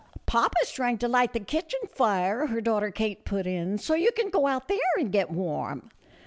"Papa is trying to light the kitchen fire," her daughter Kate put in, " so you can go out there and get warm."